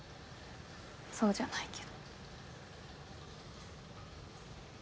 そうじゃないけど。